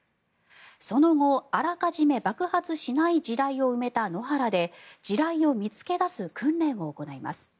その後、あらかじめ爆発しない地雷を埋めた野原で地雷を見つけ出す訓練を行います。